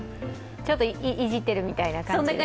ちょっといじってるみたいな。